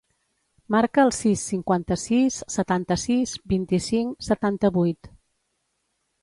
Marca el sis, cinquanta-sis, setanta-sis, vint-i-cinc, setanta-vuit.